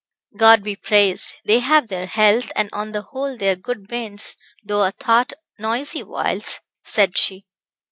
"God be praised, they have their health; and on the whole they are good bairns, though a thought noisy whiles," said she.